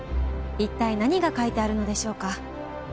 いったい何が書いてあるのでしょうか。